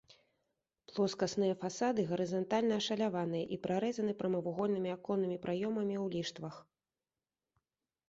Плоскасныя фасады гарызантальна ашаляваныя і прарэзаны прамавугольнымі аконнымі праёмамі ў ліштвах.